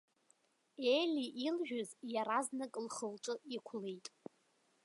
Ели илжәыз иаразнак лхылҿы иқәлеит.